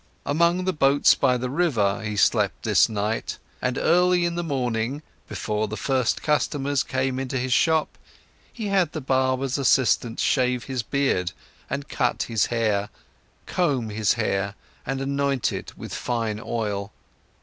Among the boats by the river, he slept this night, and early in the morning, before the first customers came into his shop, he had the barber's assistant shave his beard and cut his hair, comb his hair and anoint it with fine oil.